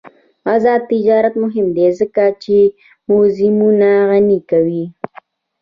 آزاد تجارت مهم دی ځکه چې موزیمونه غني کوي.